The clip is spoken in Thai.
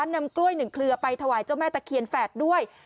นำกล้วย๑เครือไปถวายเจ้าแม่ตะเคียนแฝดด้วย